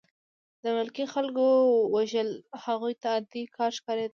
د ملکي خلکو وژل هغوی ته عادي کار ښکارېده